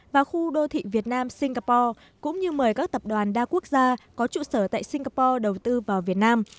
và khu đô thị việt nam singapore cũng như mời các tập đoàn đa quốc gia có trụ sở tại singapore đầu tư vào việt nam